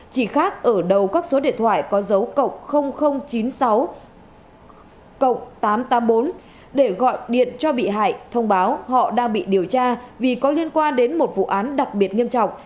chỉ khác ở đầu các số điện thoại có dấu chín mươi sáu tám trăm tám mươi bốn để gọi điện cho bị hại thông báo họ đang bị điều tra vì có liên quan đến một vụ án đặc biệt nghiêm trọng